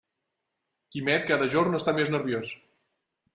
Quimet cada jorn està més nerviós.